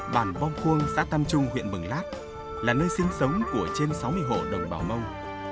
bản bông khuông xã tam trung huyện bừng lát là nơi sinh sống của trên sáu mươi hộ đồng bảo mông